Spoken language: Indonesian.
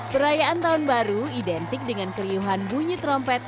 perayaan tahun baru identik dengan keriuhan bunyi trompet